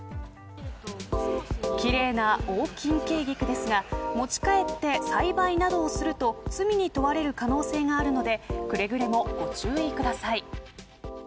奇麗なオオキンケイギクですが持ち帰って栽培などをすると罪に問われる可能性があるのでくれぐれもご注意ください。